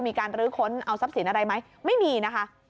มีการลื้อค้นเอาทรัพย์สินอะไรไหมไม่มีนะคะ